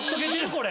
これ。